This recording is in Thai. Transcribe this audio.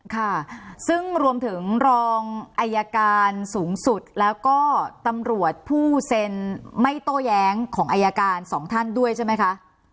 ค่ะซึ่งรวมถึงรองอายการสูงสุดแล้วก็ตำรวจผู้เซ็นไม่โต้แย้งของอายการสองท่านด้วยใช่ไหมคะ